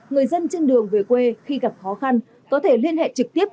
người dân trên đường về quê khi gặp khó khăn có thể liên hệ trực tiếp